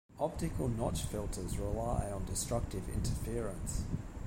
Optical notch filters rely on destructive interference.